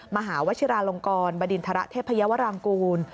มหาวชิราลงกรบดินทรเทพยาวรางกูล